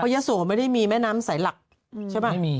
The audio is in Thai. ผ่วยโศสี้ไม่ได้มีแม่น้ำสายหลัด